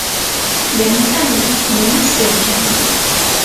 圆瓣冷水麻